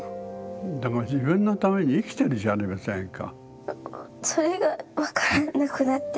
でも自分のために生きてるじゃありませんか。